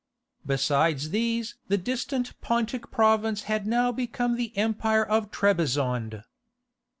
Besides these the distant Pontic province had now become the empire of Trebizond.